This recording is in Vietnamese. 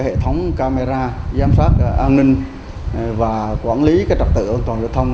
hệ thống camera giám sát an ninh và quản lý trật tự an toàn giao thông